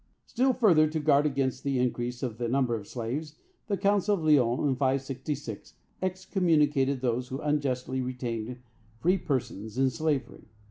Still further to guard against the increase of the number of slaves, the Council of Lyons, in 566, excommunicated those who unjustly retained free persons in slavery.